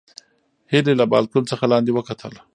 هیلې له بالکن څخه لاندې وکتل.